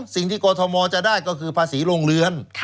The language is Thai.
๒สิ่งที่กรทมจะได้ก็คือภาษีโรงเรือน